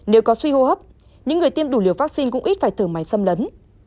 nếu có suy hô hấp những người tiêm đủ liều vaccine cũng ít phải thở máy xâm lấn